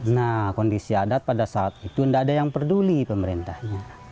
nah kondisi adat pada saat itu tidak ada yang peduli pemerintahnya